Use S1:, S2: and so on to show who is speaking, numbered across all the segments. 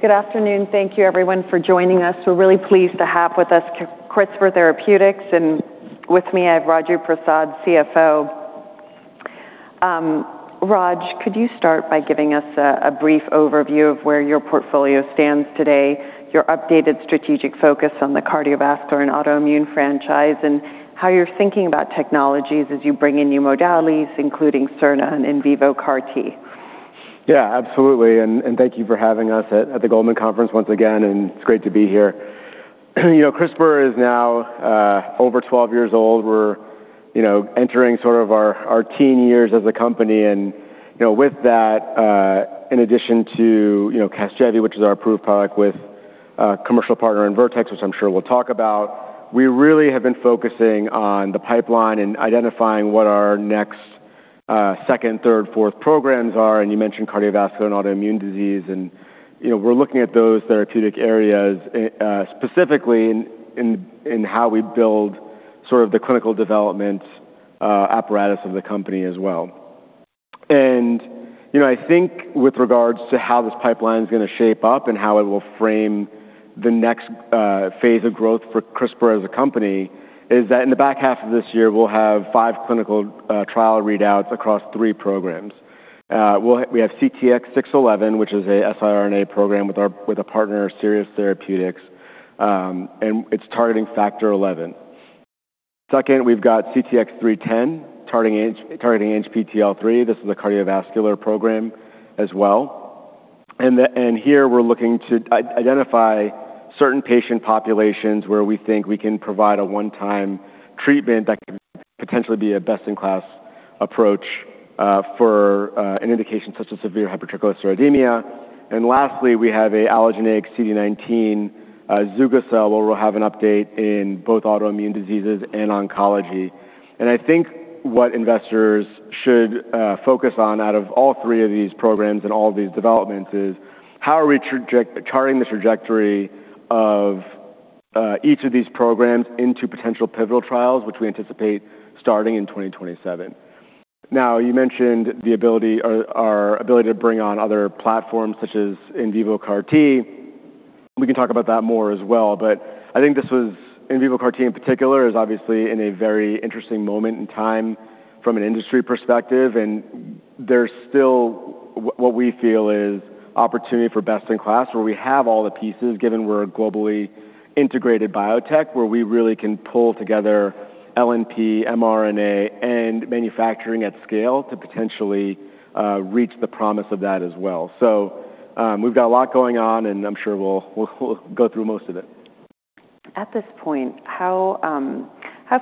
S1: Good afternoon. Thank you everyone for joining us. We're really pleased to have with us CRISPR Therapeutics, and with me, I have Raju Prasad, CFO. Raj, could you start by giving us a brief overview of where your portfolio stands today, your updated strategic focus on the cardiovascular and autoimmune franchise, and how you're thinking about technologies as you bring in new modalities, including siRNA and in vivo CAR-T?
S2: Yeah, absolutely. Thank you for having us at the Goldman Conference once again, and it's great to be here. CRISPR is now over 12 years old. We're entering sort of our teen years as a company. With that, in addition to CASGEVY, which is our approved product with commercial partner in Vertex, which I'm sure we'll talk about, we really have been focusing on the pipeline and identifying what our next second, third, fourth programs are. You mentioned cardiovascular and autoimmune disease, and we're looking at those therapeutic areas, specifically in how we build sort of the clinical development apparatus of the company as well. I think with regards to how this pipeline's going to shape up and how it will frame the next phase of growth for CRISPR as a company, is that in the back half of this year, we'll have five clinical trial readouts across three programs. We have CTX611, which is a siRNA program with a partner, Sirius Therapeutics, and it's targeting Factor XI. Second, we've got CTX310, targeting ANGPTL3. This is a cardiovascular program as well. Here we're looking to identify certain patient populations where we think we can provide a one-time treatment that could potentially be a best-in-class approach for an indication such as severe hypertriglyceridemia. Lastly, we have an allogeneic CD19 zugo-cel, where we'll have an update in both autoimmune diseases and oncology. I think what investors should focus on out of all three of these programs and all these developments is how are we charting the trajectory of each of these programs into potential pivotal trials, which we anticipate starting in 2027. Now, you mentioned our ability to bring on other platforms such as in vivo CAR-T. We can talk about that more as well. I think this was, in vivo CAR-T in particular, is obviously in a very interesting moment in time from an industry perspective. There's still what we feel is opportunity for best-in-class, where we have all the pieces, given we're a globally integrated biotech, where we really can pull together LNP, mRNA, and manufacturing at scale to potentially reach the promise of that as well. We've got a lot going on, and I'm sure we'll go through most of it.
S1: At this point, how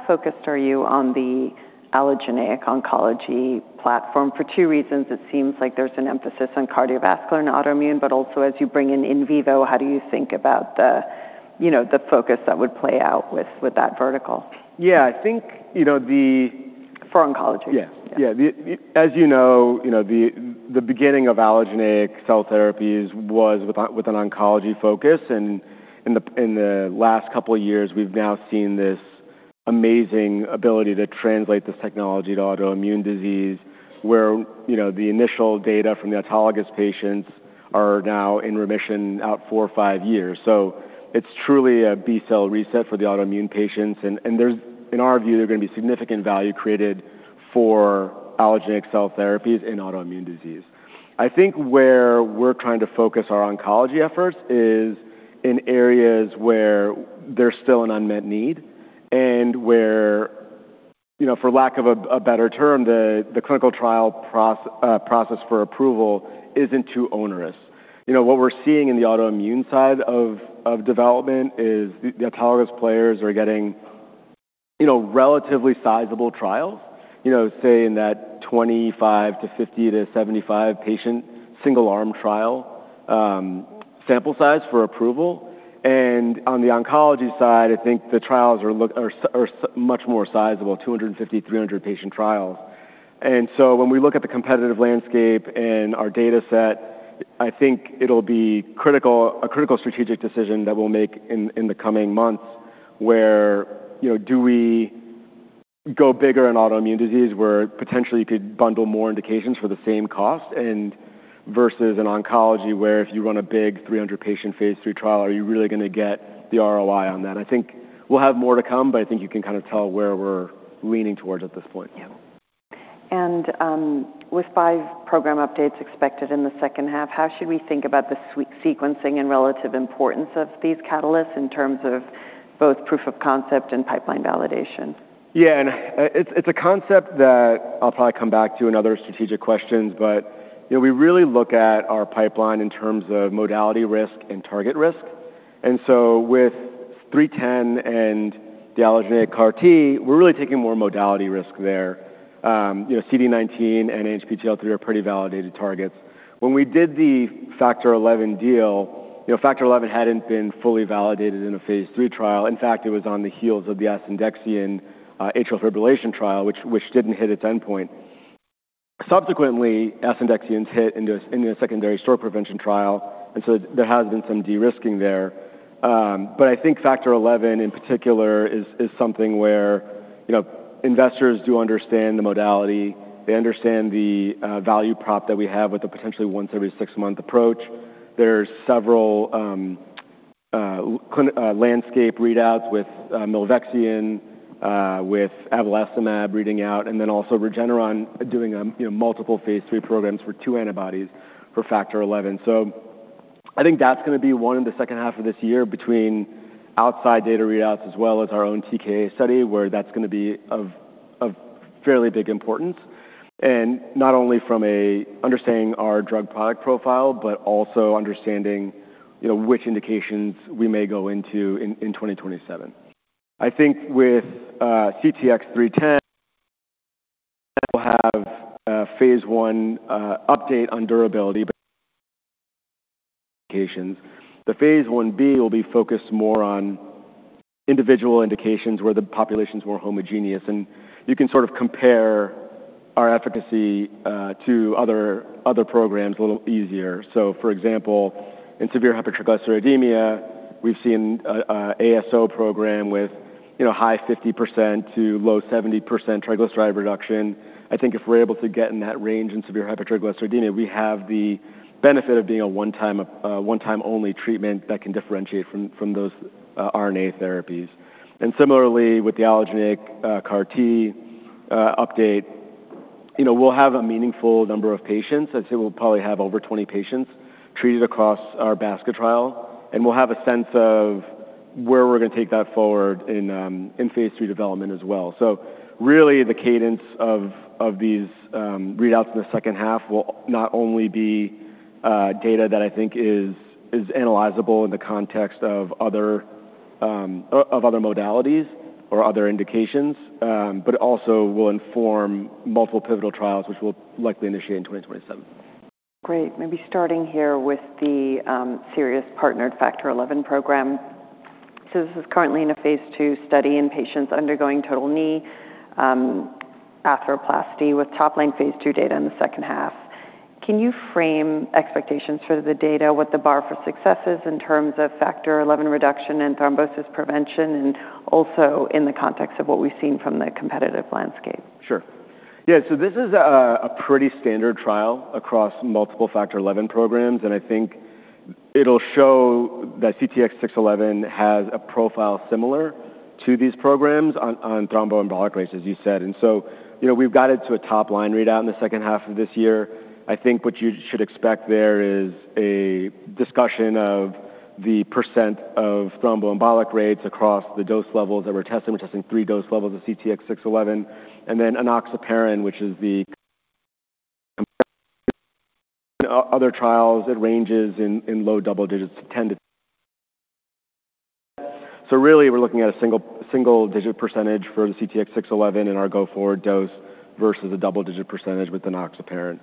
S1: focused are you on the allogeneic oncology platform? For two reasons, it seems like there's an emphasis on cardiovascular and autoimmune, but also as you bring in in vivo, how do you think about the focus that would play out with that vertical?
S2: Yeah, I think
S1: For oncology.
S2: Yeah.
S1: Yeah.
S2: As you know, the beginning of allogeneic cell therapies was with an oncology focus, and in the last couple of years, we've now seen this amazing ability to translate this technology to autoimmune disease, where the initial data from the autologous patients are now in remission out four or five years. It's truly a B-cell reset for the autoimmune patients, and in our view, there's going to be significant value created for allogeneic cell therapies in autoimmune disease. I think where we're trying to focus our oncology efforts is in areas where there's still an unmet need and where, for lack of a better term, the clinical trial process for approval isn't too onerous. What we're seeing in the autoimmune side of development is the autologous players are getting relatively sizable trials, say in that 25 to 50 to 75 patient single-arm trial sample size for approval. On the oncology side, I think the trials are much more sizable, 250, 300-patient trials. When we look at the competitive landscape and our dataset, I think it'll be a critical strategic decision that we'll make in the coming months where do we go bigger in autoimmune disease, where potentially you could bundle more indications for the same cost versus an oncology where if you run a big 300-patient phase III trial, are you really going to get the ROI on that? I think we'll have more to come. I think you can kind of tell where we're leaning towards at this point.
S1: With five program updates expected in the second half, how should we think about the sequencing and relative importance of these catalysts in terms of both proof of concept and pipeline validation?
S2: It's a concept that I'll probably come back to in other strategic questions. We really look at our pipeline in terms of modality risk and target risk. With 310 and the allogeneic CAR-T, we're really taking more modality risk there. CD19 and ANGPTL3 are pretty validated targets. When we did the Factor XI deal, Factor XI hadn't been fully validated in a phase III trial. In fact, it was on the heels of the asundexian atrial fibrillation trial, which didn't hit its endpoint. Subsequently, asundexian's hit in a secondary stroke prevention trial. There has been some de-risking there. I think Factor XI in particular is something where investors do understand the modality. They understand the value prop that we have with the potentially once every six-month approach. There's several landscape readouts with milvexian, with abelacimab reading out. Also Regeneron doing multiple phase III programs for two antibodies for Factor XI. I think that's going to be one in the second half of this year between outside data readouts as well as our own TKA study, where that's going to be of fairly big importance. Not only from understanding our drug product profile, but also understanding which indications we may go into in 2027. I think with CTX310, we'll have a phase I update on durability, but indications. The phase I-B will be focused more on individual indications where the population's more homogeneous, and you can sort of compare our efficacy to other programs a little easier. For example, in severe hypertriglyceridemia, we've seen ASO program with high 50%-low 70% triglyceride reduction. If we're able to get in that range in severe hypertriglyceridemia, we have the benefit of being a one-time only treatment that can differentiate from those RNA therapies. Similarly, with the allogeneic CAR-T update, we'll have a meaningful number of patients. I'd say we'll probably have over 20 patients treated across our basket trial, and we'll have a sense of where we're going to take that forward in phase III development as well. Really, the cadence of these readouts in the second half will not only be data that I think is analyzable in the context of other modalities or other indications, but also will inform multiple pivotal trials, which we'll likely initiate in 2027.
S1: Great. Maybe starting here with the Sirius partnered Factor XI program. This is currently in a phase II study in patients undergoing total knee arthroplasty with top line phase II data in the second half. Can you frame expectations for the data, what the bar for success is in terms of Factor XI reduction and thrombosis prevention, and also in the context of what we've seen from the competitive landscape?
S2: Sure. Yeah. This is a pretty standard trial across multiple Factor XI programs, and I think it'll show that CTX611 has a profile similar to these programs on thromboembolic rates, as you said. We've got it to a top-line readout in the second half of this year. I think what you should expect there is a discussion of the percent of thromboembolic rates across the three dose levels that we're testing. We're testing three dose levels of CTX611, and then enoxaparin, which is the other trials. It ranges in low double digits, 10 to. Really, we're looking at a single-digit percentage for the CTX611 in our go-forward dose versus a double-digit percentage with enoxaparin.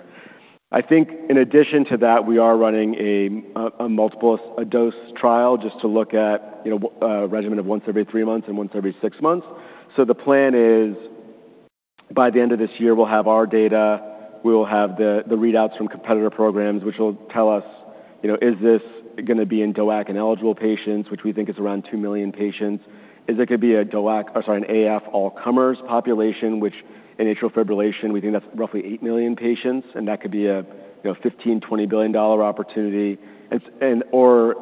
S2: I think in addition to that, we are running a dose trial just to look at a regimen of once every three months and once every six months. The plan is by the end of this year, we'll have our data, we will have the readouts from competitor programs, which will tell us, is this going to be in DOAC-ineligible patients, which we think is around 2 million patients? Is it going to be an AF all-comers population, which in atrial fibrillation, we think that's roughly 8 million patients, and that could be a $15 billion-$20 billion opportunity. Will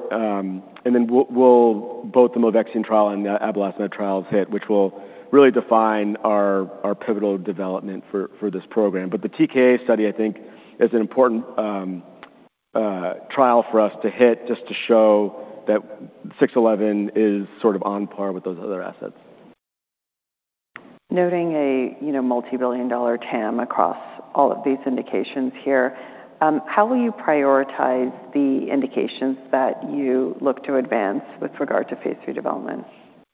S2: both the milvexian trial and the abelacimab trials hit, which will really define our pivotal development for this program. The TKA study, I think, is an important trial for us to hit, just to show that 611 is sort of on par with those other assets.
S1: Noting a multi-billion dollar TAM across all of these indications here, how will you prioritize the indications that you look to advance with regard to phase III development?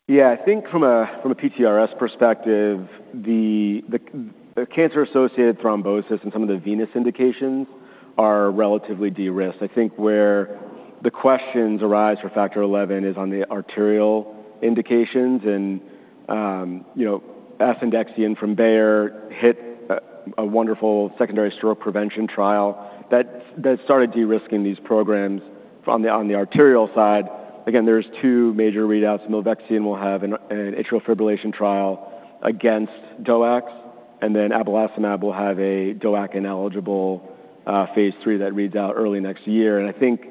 S2: Yeah. I think from a PTRS perspective, the cancer-associated thrombosis and some of the venous indications are relatively de-risked. I think where the questions arise for Factor XI is on the arterial indications, asundexian from Bayer hit a wonderful secondary stroke prevention trial that started de-risking these programs on the arterial side. Again, there's two major readouts. milvexian will have an atrial fibrillation trial against DOACs, then abelacimab will have a DOAC-ineligible phase III that reads out early next year. I think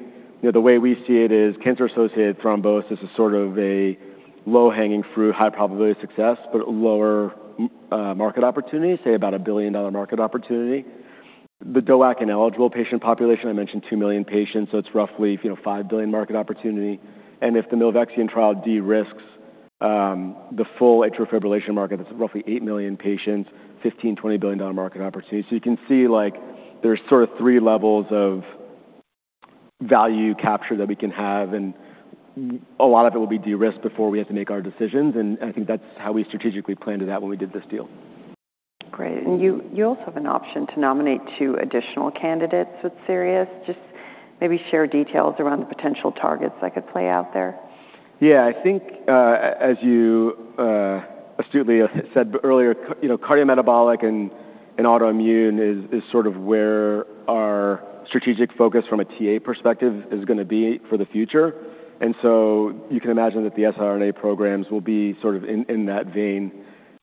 S2: the way we see it is cancer-associated thrombosis is sort of a low-hanging fruit, high probability of success, but lower market opportunity, say about a $1 billion market opportunity. The DOAC-ineligible patient population, I mentioned two million patients, so it's roughly a $5 billion market opportunity. If the milvexian trial de-risks the full atrial fibrillation market, that's roughly eight million patients, $15 billion-$20 billion market opportunity. You can see there's sort of 3 levels of value capture that we can have, a lot of it will be de-risked before we have to make our decisions, I think that's how we strategically planned it out when we did this deal.
S1: Great, you also have an option to nominate two additional candidates with Sirius. Just maybe share details around the potential targets that could play out there.
S2: Yeah. I think, as you astutely said earlier, cardiometabolic and autoimmune is sort of where our strategic focus from a TA perspective is going to be for the future. You can imagine that the siRNA programs will be sort of in that vein.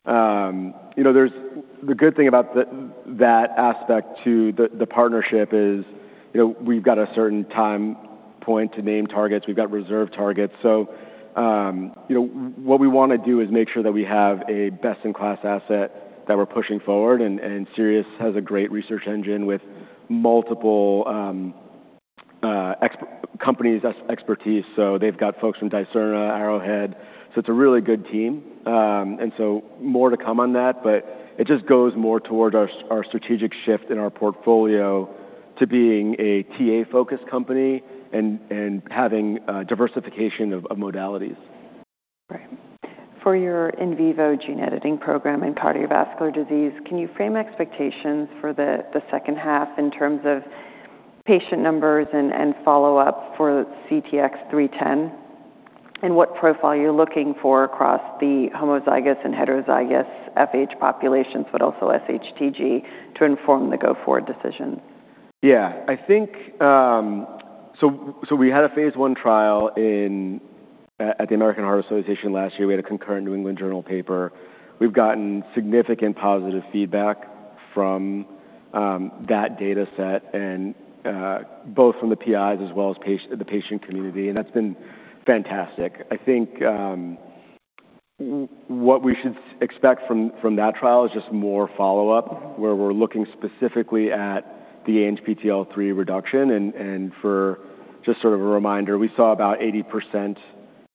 S2: The good thing about that aspect to the partnership is we've got a certain time point to name targets. We've got reserve targets. What we want to do is make sure that we have a best-in-class asset that we're pushing forward, and Sirius Therapeutics has a great research engine with multiple companies' expertise. They've got folks from Dicerna Pharmaceuticals, Arrowhead Pharmaceuticals, so it's a really good team. More to come on that, but it just goes more towards our strategic shift in our portfolio to being a TA-focused company and having diversification of modalities.
S1: Right. For your in vivo gene editing program in cardiovascular disease, can you frame expectations for the second half in terms of patient numbers and follow-up for CTX310, and what profile you're looking for across the homozygous and heterozygous FH populations, but also SHTG to inform the go-forward decision?
S2: Yeah. We had a phase I trial at the American Heart Association last year. We had a concurrent New England Journal paper. We've gotten significant positive feedback from that data set, both from the PIs as well as the patient community, and that's been fantastic. I think what we should expect from that trial is just more follow-up, where we're looking specifically at the ANGPTL3 reduction. For just sort of a reminder, we saw about 80%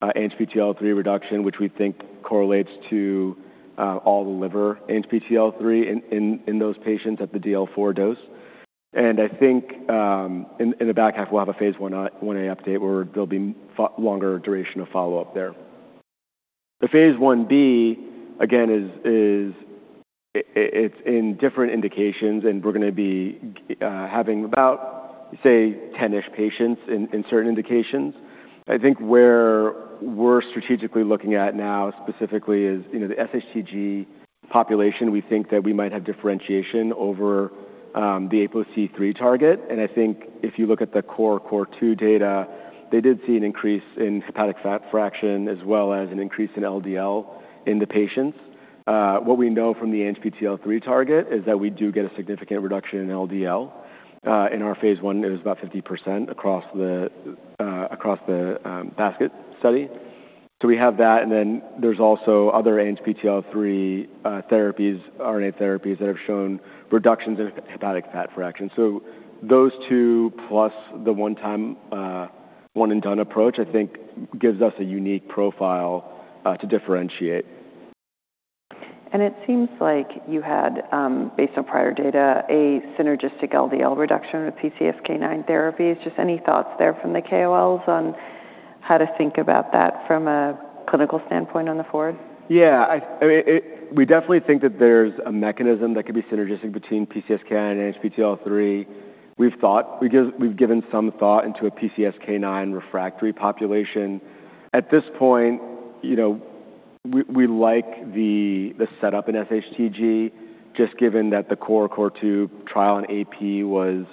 S2: ANGPTL3 reduction, which we think correlates to all the liver ANGPTL3 in those patients at the DL4 dose. I think in the back half, we'll have a phase I-A update where there'll be longer duration of follow-up there. The phase I-B, again, it's in different indications, and we're going to be having about, say, 10-ish patients in certain indications. I think where we're strategically looking at now specifically is the SHTG population. We think that we might have differentiation over the APOC3 target. I think if you look at the CORE-COR2 data, they did see an increase in hepatic fat fraction as well as an increase in LDL in the patients. What we know from the ANGPTL3 target is that we do get a significant reduction in LDL. In our phase I, it was about 50% across the basket study. We have that, and then there's also other ANGPTL3 RNA therapies that have shown reductions in hepatic fat fraction. Those two plus the one-and-done approach, I think gives us a unique profile to differentiate.
S1: It seems like you had, based on prior data, a synergistic LDL reduction with PCSK9 therapies. Just any thoughts there from the KOLs on how to think about that from a clinical standpoint on the forward?
S2: We definitely think that there's a mechanism that could be synergistic between PCSK9 and ANGPTL3. We've given some thought into a PCSK9 refractory population. At this point, we like the setup in SHTG just given that the CORAL-COR2 trial in AP was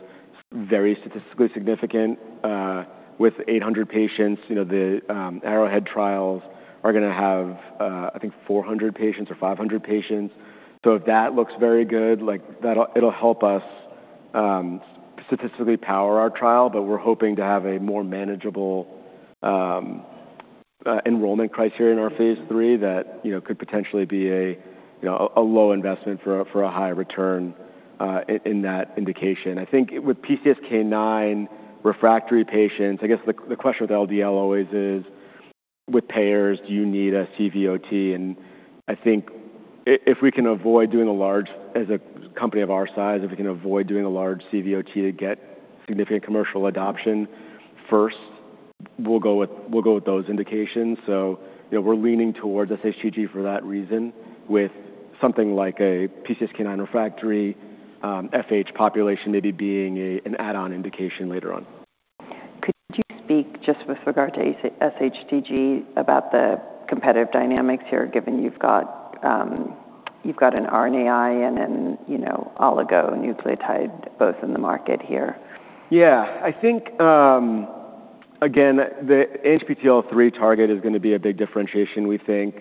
S2: very statistically significant with 800 patients. The Arrowhead trials are going to have, I think, 400 patients or 500 patients. If that looks very good, it'll help us statistically power our trial, but we're hoping to have a more manageable enrollment criteria in our phase III that could potentially be a low investment for a high return in that indication. I think with PCSK9 refractory patients, I guess the question with LDL always is with payers, do you need a CVOT? I think as a company of our size, if we can avoid doing a large CVOT to get significant commercial adoption first, we'll go with those indications. We're leaning towards SHTG for that reason with something like a PCSK9 refractory FH population maybe being an add-on indication later on.
S1: Could you speak just with regard to SHTG about the competitive dynamics here, given you've got an RNAi and an oligonucleotide both in the market here?
S2: Yeah. I think, again, the ANGPTL3 target is going to be a big differentiation, we think.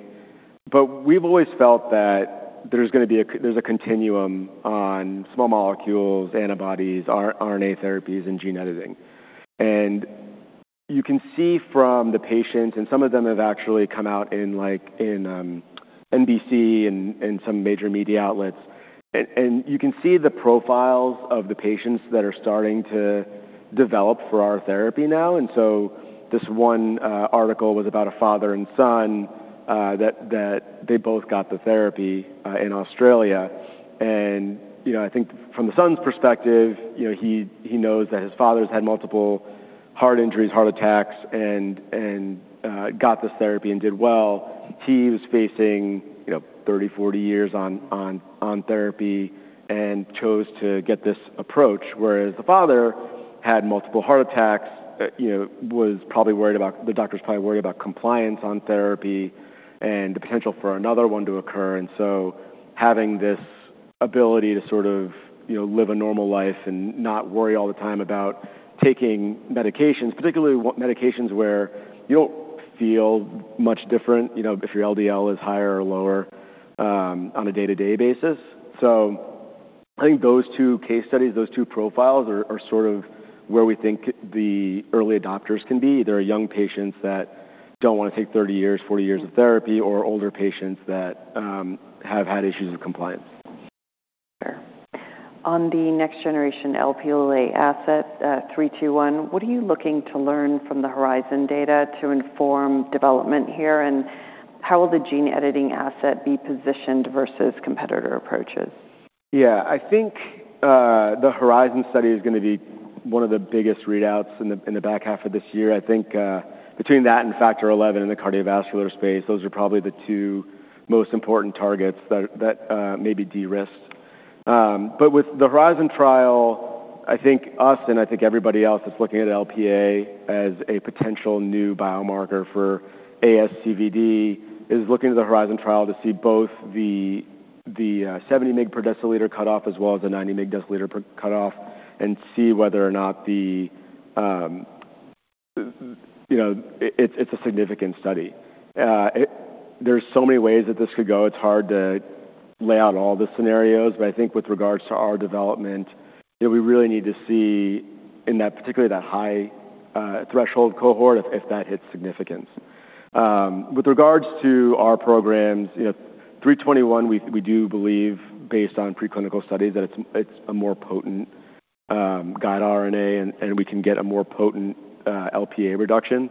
S2: We've always felt that there's a continuum on small molecules, antibodies, RNA therapies, and gene editing. You can see from the patients, and some of them have actually come out in NBC and some major media outlets, and you can see the profiles of the patients that are starting to develop for our therapy now. This one article was about a father and son, that they both got the therapy in Australia. I think from the son's perspective, he knows that his father's had multiple heart injuries, heart attacks, and got this therapy and did well. He was facing 30, 40 years on therapy and chose to get this approach. Whereas the father had multiple heart attacks, the doctors probably worried about compliance on therapy and the potential for another one to occur. Having this ability to sort of live a normal life and not worry all the time about taking medications, particularly medications where you don't feel much different, if your LDL is higher or lower on a day-to-day basis. I think those two case studies, those two profiles, are sort of where we think the early adopters can be. They're young patients that don't want to take 30 years, 40 years of therapy, or older patients that have had issues with compliance.
S1: Sure. On the next generation Lp asset, CTX321, what are you looking to learn from the Horizon data to inform development here? How will the gene editing asset be positioned versus competitor approaches?
S2: Yeah. I think the Horizon study is going to be one of the biggest readouts in the back half of this year. I think between that and Factor XI in the cardiovascular space, those are probably the two most important targets that may be de-risked. With the Horizon trial, I think us and I think everybody else that's looking at Lp as a potential new biomarker for ASCVD is looking at the Horizon trial to see both the 70 mg per deciliter cutoff as well as the 90 mg deciliter per cutoff. It's a significant study. There's so many ways that this could go. It's hard to lay out all the scenarios, but I think with regards to our development, we really need to see in that, particularly that high threshold cohort, if that hits significance. With regards to our programs, CTX321, we do believe based on pre-clinical studies that it's a more potent guide RNA, and we can get a more potent Lp reduction.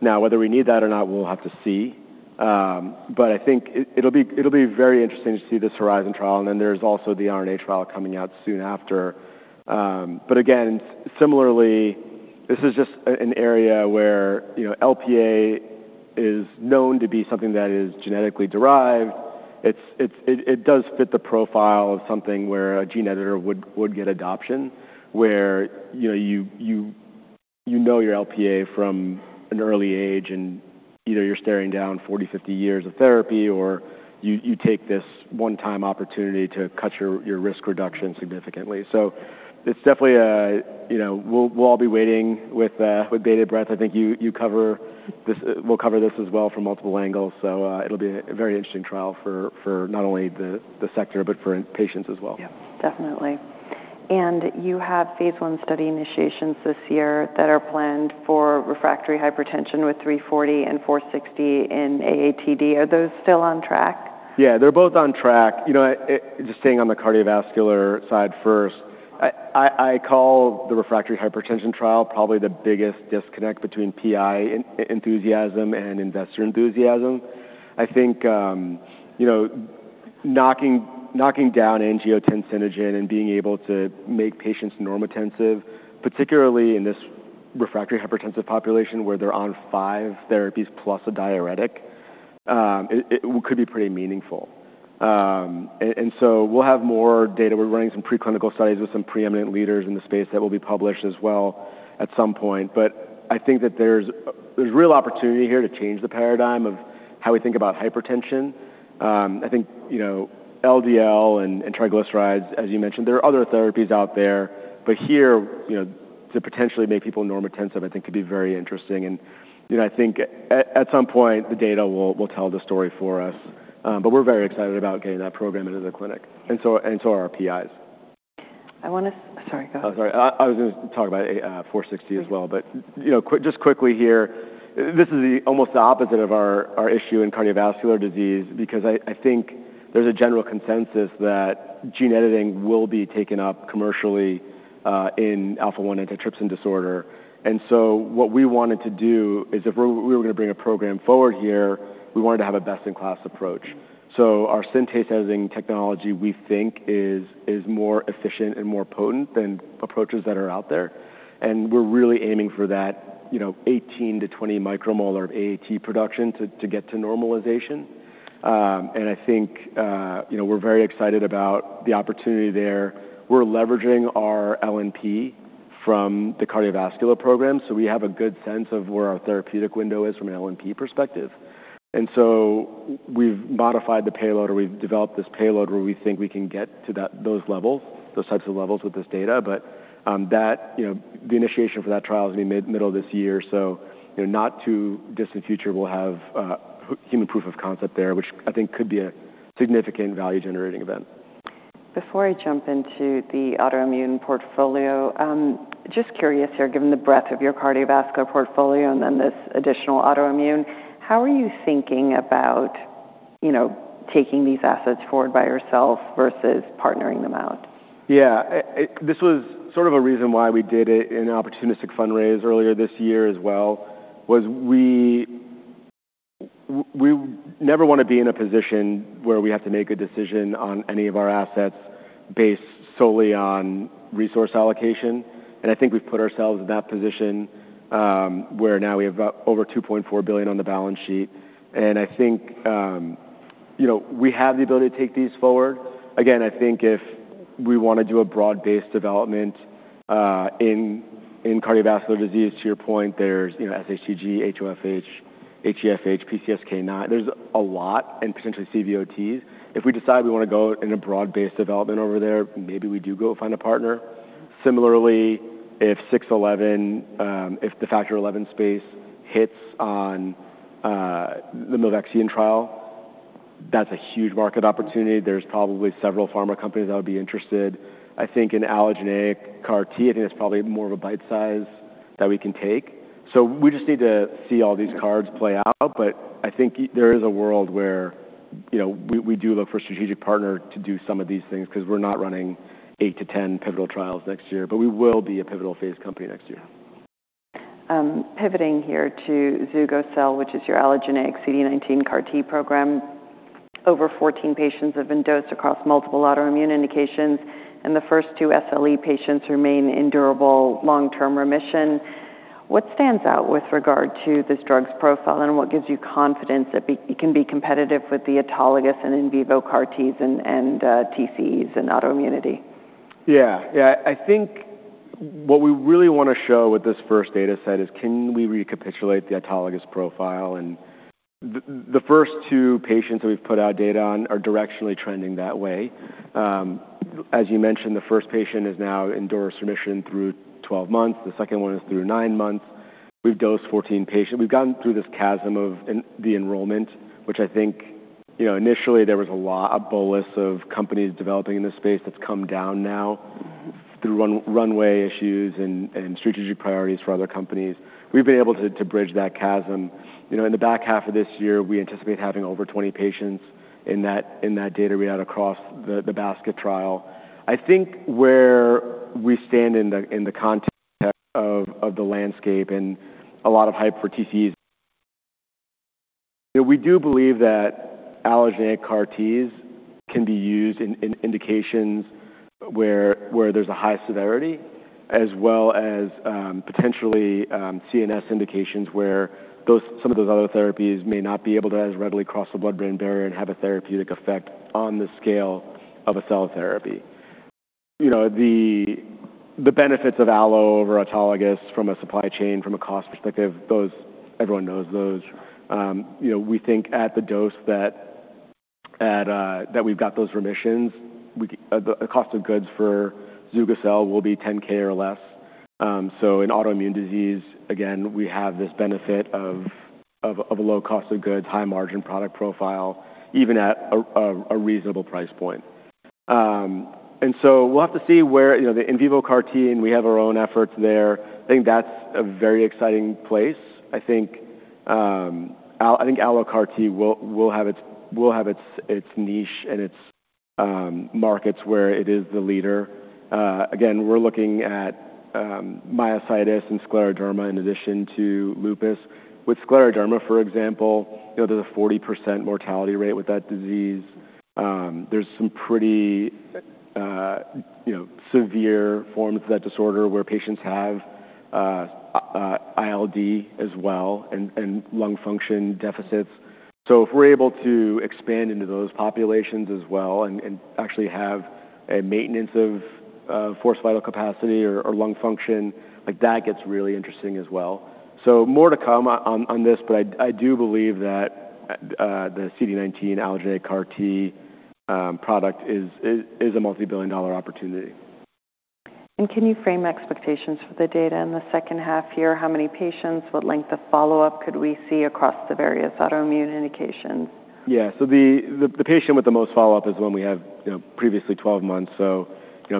S2: Whether we need that or not, we'll have to see. I think it'll be very interesting to see this HORIZON trial, and then there's also the RNA trial coming out soon after. Again, similarly, this is just an area where Lp is known to be something that is genetically derived. It does fit the profile of something where a gene editor would get adoption, where you know your Lp from an early age, and either you're staring down 40, 50 years of therapy or you take this one-time opportunity to cut your risk reduction significantly. It's definitely, we'll all be waiting with bated breath. I think we'll cover this as well from multiple angles. It'll be a very interesting trial for not only the sector but for patients as well.
S1: Yeah, definitely. You have phase I study initiations this year that are planned for refractory hypertension with CTX340 and CTX460 in AATD. Are those still on track?
S2: Yeah, they're both on track. Just staying on the cardiovascular side first, I call the refractory hypertension trial probably the biggest disconnect between PI enthusiasm and investor enthusiasm. I think knocking down angiotensinogen and being able to make patients normotensive, particularly in this refractory hypertensive population where they're on five therapies plus a diuretic, it could be pretty meaningful. We'll have more data. We're running some pre-clinical studies with some preeminent leaders in the space that will be published as well at some point. I think that there's real opportunity here to change the paradigm of how we think about hypertension. I think LDL and triglycerides, as you mentioned, there are other therapies out there. Here, to potentially make people normotensive, I think could be very interesting, and I think at some point the data will tell the story for us. We're very excited about getting that program into the clinic, and so are our PIs.
S1: Sorry, go ahead.
S2: Oh, sorry. I was going to talk about CTX460 as well. Just quickly here, this is almost the opposite of our issue in cardiovascular disease, because I think there's a general consensus that gene editing will be taken up commercially in alpha-1 antitrypsin deficiency. What we wanted to do is, if we were going to bring a program forward here, we wanted to have a best-in-class approach. Our SyNTase editing technology, we think, is more efficient and more potent than approaches that are out there, and we're really aiming for that 18-20 micromolar of AAT production to get to normalization. I think we're very excited about the opportunity there. We're leveraging our LNP from the cardiovascular program, so we have a good sense of where our therapeutic window is from an LNP perspective. We've modified the payload, or we've developed this payload where we think we can get to those levels, those types of levels with this data. The initiation for that trial is going to be middle of this year. Not too distant future, we'll have human proof of concept there, which I think could be a significant value-generating event.
S1: Before I jump into the autoimmune portfolio, just curious here, given the breadth of your cardiovascular portfolio and then this additional autoimmune, how are you thinking about taking these assets forward by yourself versus partnering them out?
S2: This was sort of a reason why we did an opportunistic fundraise earlier this year as well, was we never want to be in a position where we have to make a decision on any of our assets based solely on resource allocation. And I think we've put ourselves in that position where now we have over $2.4 billion on the balance sheet, and I think we have the ability to take these forward. Again, I think if we want to do a broad-based development in cardiovascular disease, to your point, there's SHTG, HoFH, HeFH, PCSK9, there's a lot, and potentially CVOTs. If we decide we want to go in a broad-based development over there, maybe we do go find a partner. Similarly, if the Factor XI space hits on the milvexian trial, that's a huge market opportunity. There's probably several pharma companies that would be interested. I think an allogeneic CAR T, I think that's probably more of a bite size that we can take. We just need to see all these cards play out. I think there is a world where we do look for a strategic partner to do some of these things, because we're not running eight to 10 pivotal trials next year, but we will be a pivotal phase company next year.
S1: Pivoting here to zugo-cel, which is your allogeneic CD19 CAR T program. Over 14 patients have been dosed across multiple autoimmune indications, and the first two SLE patients remain in durable long-term remission. What stands out with regard to this drug's profile, and what gives you confidence that it can be competitive with the autologous and in vivo CAR Ts, and TCEs, and autoimmunity?
S2: Yeah. I think what we really want to show with this first data set is, can we recapitulate the autologous profile? The first two patients that we've put out data on are directionally trending that way. As you mentioned, the first patient is now in durable remission through 12 months. The second one is through nine months. We've dosed 14 patients. We've gotten through this chasm of the enrollment, which I think initially there was a bolus of companies developing in this space that's come down now through runway issues and strategic priorities for other companies. We've been able to bridge that chasm. In the back half of this year, we anticipate having over 20 patients in that data readout across the basket trial. I think where we stand in the context of the landscape. A lot of hype for TCEs, we do believe that allogeneic CAR Ts can be used in indications where there's a high severity, as well as potentially CNS indications where some of those other therapies may not be able to as readily cross the blood-brain barrier and have a therapeutic effect on the scale of a cell therapy. The benefits of allo over autologous from a supply chain, from a cost perspective, everyone knows those. We think at the dose that we've got those remissions, the cost of goods for zugo-cel will be $10K or less. In autoimmune disease, again, we have this benefit of a low cost of goods, high margin product profile, even at a reasonable price point. We'll have to see where the in vivo CAR T, and we have our own efforts there. I think that's a very exciting place. I think allo CAR T will have its niche and its markets where it is the leader. Again, we're looking at myositis and scleroderma in addition to lupus. With scleroderma, for example, there's a 40% mortality rate with that disease. There's some pretty severe forms of that disorder where patients have ILD as well, and lung function deficits. If we're able to expand into those populations as well and actually have a maintenance of forced vital capacity or lung function, that gets really interesting as well. More to come on this, but I do believe that the CD19 allogeneic CAR T product is a multi-billion dollar opportunity.
S1: Can you frame expectations for the data in the second half here? How many patients? What length of follow-up could we see across the various autoimmune indications?
S2: The patient with the most follow-up is one we have previously 12 months, so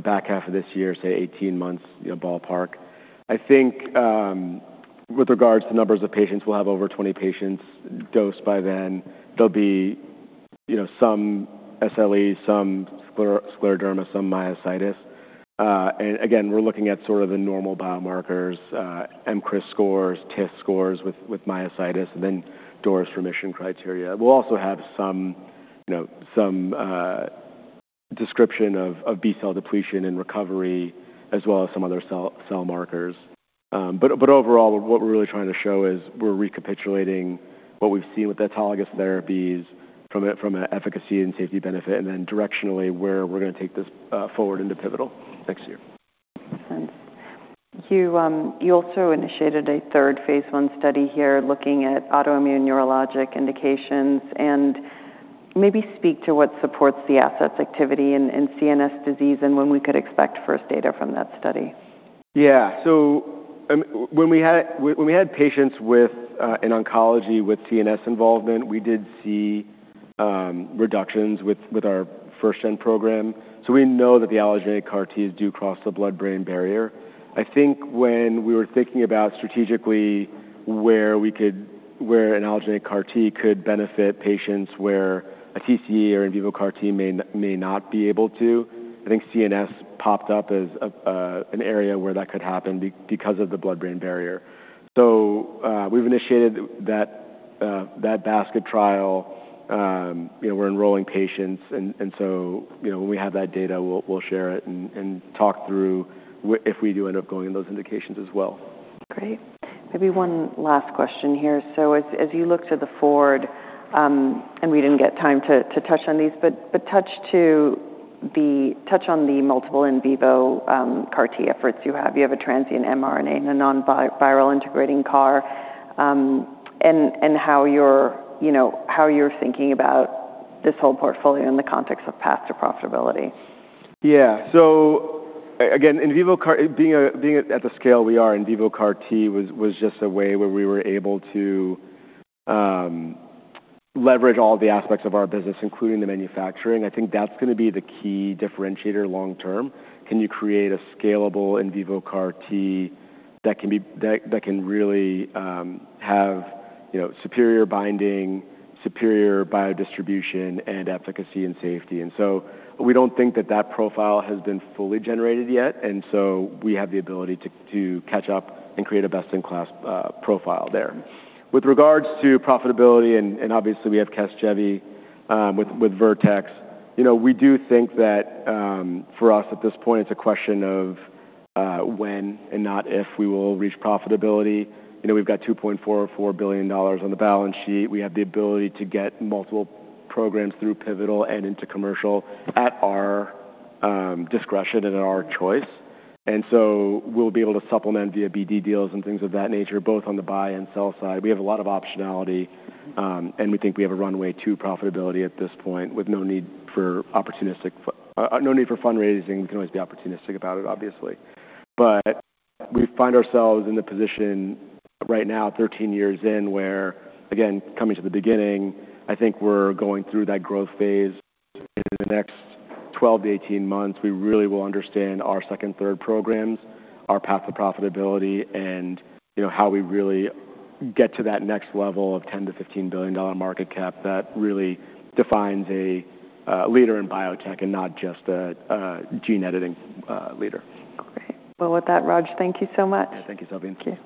S2: back half of this year, say 18 months ballpark. With regards to numbers of patients, we'll have over 20 patients dosed by then. There'll be some SLE, some scleroderma, some myositis. Again, we're looking at sort of the normal biomarkers, MCRIS scores, TIS scores with myositis, and then DORIS remission criteria. We'll also have some description of B-cell depletion and recovery, as well as some other cell markers. Overall, what we're really trying to show is we're recapitulating what we've seen with the autologous therapies from an efficacy and safety benefit, and then directionally where we're going to take this forward into pivotal next year.
S1: Makes sense. You also initiated a third phase I study here looking at autoimmune neurologic indications, maybe speak to what supports the asset's activity in CNS disease and when we could expect first data from that study.
S2: When we had patients in oncology with CNS involvement, we did see reductions with our first-gen program. We know that the allogeneic CAR Ts do cross the blood-brain barrier. I think when we were thinking about strategically where an allogeneic CAR T could benefit patients where a TCEs or in vivo CAR T may not be able to, I think CNS popped up as an area where that could happen because of the blood-brain barrier. We've initiated that basket trial. We're enrolling patients, when we have that data, we'll share it and talk through if we do end up going in those indications as well.
S1: Great. Maybe one last question here. As you look to the forward, we didn't get time to touch on these, touch on the multiple in vivo CAR T efforts you have. You have a transient mRNA and a non-viral integrating CAR, how you're thinking about this whole portfolio in the context of path to profitability.
S2: Again, being at the scale we are, in vivo CAR-T was just a way where we were able to leverage all the aspects of our business, including the manufacturing. I think that's going to be the key differentiator long term. Can you create a scalable in vivo CAR-T that can really have superior binding, superior biodistribution, and efficacy and safety? We don't think that that profile has been fully generated yet, and so we have the ability to catch up and create a best-in-class profile there. With regards to profitability, and obviously we have CASGEVY with Vertex, we do think that for us, at this point, it's a question of when and not if we will reach profitability. We've got $2.44 billion on the balance sheet. We have the ability to get multiple programs through pivotal and into commercial at our discretion and at our choice. We'll be able to supplement via BD deals and things of that nature, both on the buy and sell side. We have a lot of optionality, and we think we have a runway to profitability at this point with no need for fundraising. We can always be opportunistic about it, obviously. We find ourselves in the position right now, 13 years in, where, again, coming to the beginning, I think we're going through that growth phase. In the next 12 to 18 months, we really will understand our second, third programs, our path to profitability, and how we really get to that next level of $10 billion-$15 billion market cap that really defines a leader in biotech and not just a gene editing leader.
S1: Great. Well, with that, Raj, thank you so much.
S2: Yeah, thank you, Salveen. Thank you